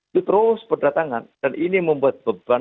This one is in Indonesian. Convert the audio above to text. itu terus kedatangan dan ini membuat beban dokter lagi di belakang